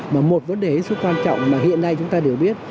mà một vấn đề rất quan trọng mà hiện nay chúng ta đều biết